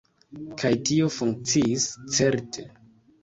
Kaj tio funkciis, certe.